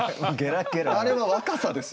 あれは若さですよね。